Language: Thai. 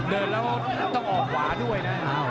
เดินแล้วต้องออกขวาด้วยนะ